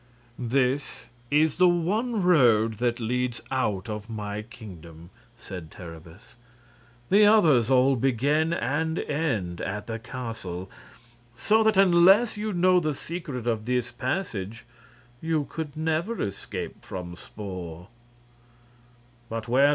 "This is the one road that leads out of my kingdom," said Terribus. "The others all begin and end at the castle. So that unless you know the secret of this passage you could never escape from Spor."